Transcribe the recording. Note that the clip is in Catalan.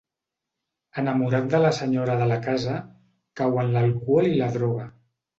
Enamorat de la senyora de la casa, cau en l'alcohol i la droga.